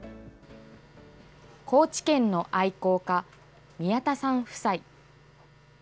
高知県の愛好家、宮田さん夫妻。